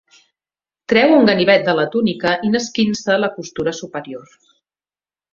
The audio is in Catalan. Treu un ganivet de la túnica i n'esquinça la costura superior.